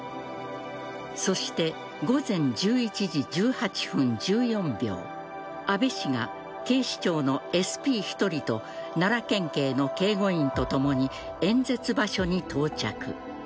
そして、午前１１時１８分１４秒安倍氏が警視庁のＳＰ１人と奈良県警の警護員とともに演説場所に到着。